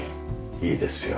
いいですよ。